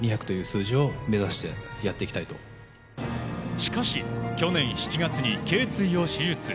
しかし、去年７月に頸椎を手術。